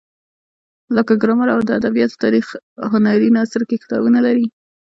لکه ګرامر او د ادبیاتو تاریخ هنري نثر کې کتابونه لري.